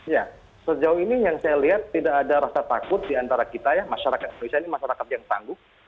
ya sejauh ini yang saya lihat tidak ada rasa takut diantara kita ya masyarakat indonesia ini masyarakat yang tangguh